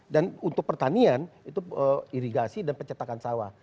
dan untuk pertanian itu irigasi dan pencetakan sawah